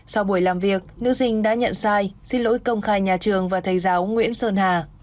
sau buổi làm việc nữ sinh đã nhận sai xin lỗi công khai nhà trường và thầy giáo nguyễn sơn hà